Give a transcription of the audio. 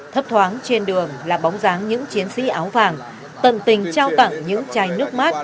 thấp thoáng trên đường là bóng dáng những chiến sĩ áo vàng tận tình trao tặng những chai nước mát